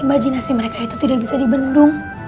imajinasi mereka itu tidak bisa dibendung